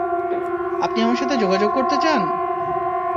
আপনি আমার সাথে যোগাযোগ করতে চান?